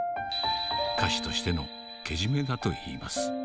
歌手としてのけじめだといいます。